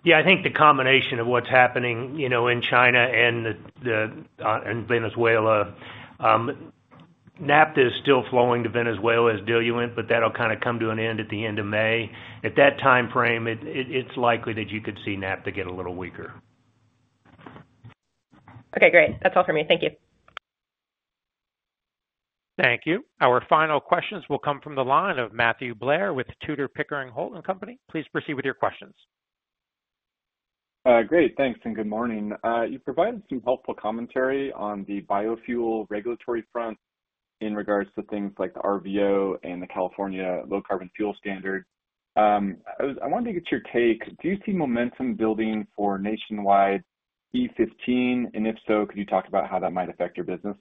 [SPEAKER 5] Yeah. I think the combination of what's happening in China and Venezuela, naphtha is still flowing to Venezuela as diluent, but that'll kind of come to an end at the end of May. At that time frame, it's likely that you could see naphtha get a little weaker.
[SPEAKER 19] Okay. Great. That's all for me. Thank you.
[SPEAKER 1] Thank you. Our final questions will come from the line of Matthew Blair with Tudor Pickering Holding Company. Please proceed with your questions.
[SPEAKER 21] Great. Thanks. Good morning. You provided some helpful commentary on the biofuel regulatory front in regards to things like the RVO and the California Low Carbon Fuel Standard. I wanted to get your take. Do you see momentum building for nationwide E15? If so, could you talk about how that might affect your business?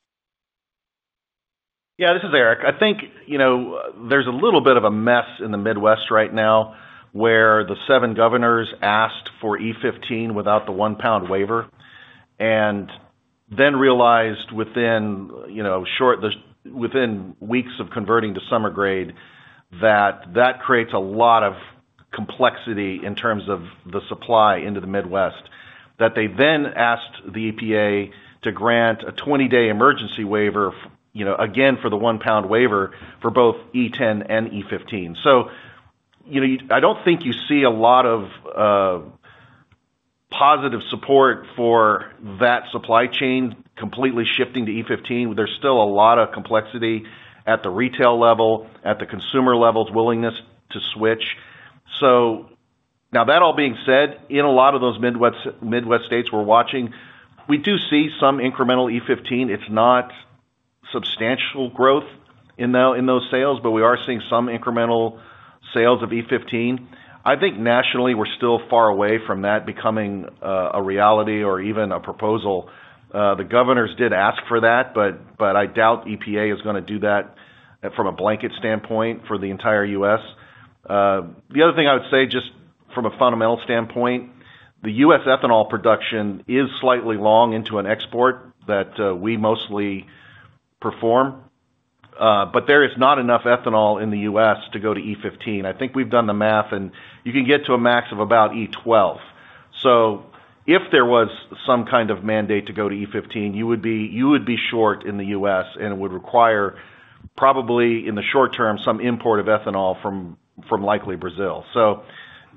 [SPEAKER 10] Yeah. This is Eric. I think there's a little bit of a mess in the Midwest right now where the seven governors asked for E15 without the one-pound waiver and then realized within weeks of converting to summer grade that that creates a lot of complexity in terms of the supply into the Midwest, that they then asked the EPA to grant a 20-day emergency waiver again for the one-pound waiver for both E10 and E15. I do not think you see a lot of positive support for that supply chain completely shifting to E15. There is still a lot of complexity at the retail level, at the consumer level's willingness to switch. Now, that all being said, in a lot of those Midwest states we are watching, we do see some incremental E15. It is not substantial growth in those sales, but we are seeing some incremental sales of E15. I think nationally, we're still far away from that becoming a reality or even a proposal. The governors did ask for that, but I doubt EPA is going to do that from a blanket standpoint for the entire U.S. The other thing I would say, just from a fundamental standpoint, the U.S. ethanol production is slightly long into an export that we mostly perform, but there is not enough ethanol in the U.S. to go to E15. I think we've done the math, and you can get to a max of about E12. If there was some kind of mandate to go to E15, you would be short in the U.S., and it would require probably in the short term some import of ethanol from likely Brazil.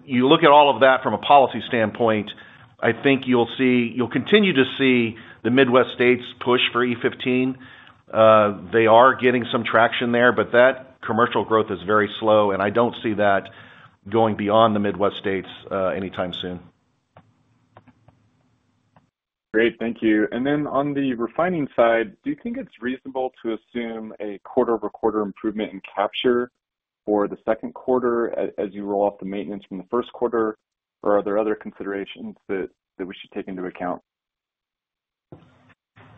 [SPEAKER 10] You look at all of that from a policy standpoint, I think you'll continue to see the Midwest states push for E15. They are getting some traction there, but that commercial growth is very slow, and I don't see that going beyond the Midwest states anytime soon.
[SPEAKER 21] Great. Thank you. Then on the refining side, do you think it's reasonable to assume a quarter-over-quarter improvement in capture for the second quarter as you roll off the maintenance from the first quarter, or are there other considerations that we should take into account?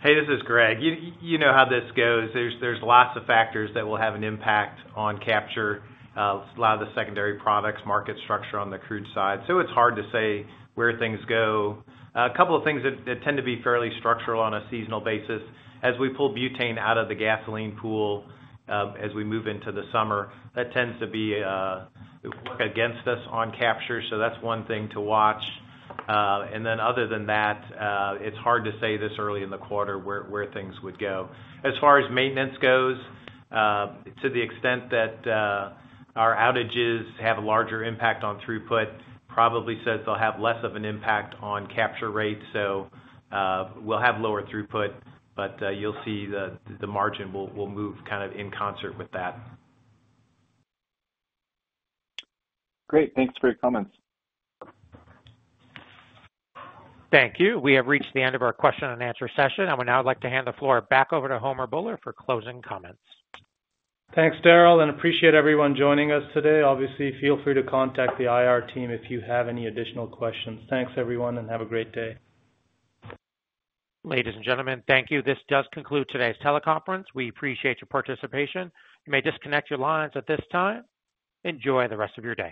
[SPEAKER 8] Hey, this is Greg. You know how this goes. There's lots of factors that will have an impact on capture, a lot of the secondary products, market structure on the crude side. It's hard to say where things go. A couple of things that tend to be fairly structural on a seasonal basis. As we pull butane out of the gasoline pool as we move into the summer, that tends to work against us on capture. That's one thing to watch. Other than that, it's hard to say this early in the quarter where things would go. As far as maintenance goes, to the extent that our outages have a larger impact on throughput, probably says they'll have less of an impact on capture rate. We'll have lower throughput, but you'll see the margin will move kind of in concert with that.
[SPEAKER 21] Great. Thanks for your comments.
[SPEAKER 1] Thank you. We have reached the end of our question and answer session. I would now like to hand the floor back over to Homer Bhullar for closing comments.
[SPEAKER 2] Thanks, Daryl. I appreciate everyone joining us today. Obviously, feel free to contact the IR team if you have any additional questions. Thanks, everyone, and have a great day.
[SPEAKER 1] Ladies and gentlemen, thank you. This does conclude today's teleconference. We appreciate your participation. You may disconnect your lines at this time. Enjoy the rest of your day.